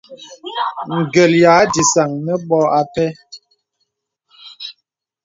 Gə̀l ya dìsaŋ nə bòt a pɛ.